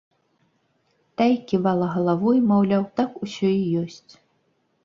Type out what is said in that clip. Тая ківала галавой, маўляў, так усё і ёсць.